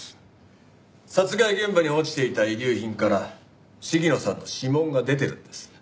殺害現場に落ちていた遺留品から鴫野さんの指紋が出てるんです。